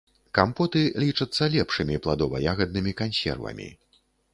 Кампоты лічацца лепшымі пладова-ягаднымі кансервамі.